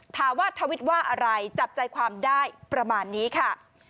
ทวิตว่าอะไรจับใจความได้ประมาณนี้ค่ะ